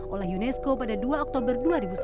oleh unesco pada dua oktober dua ribu sembilan belas